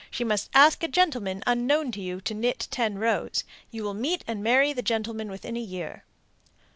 She must ask a gentleman unknown to you to knit ten rows. You will meet and marry the gentleman within a year.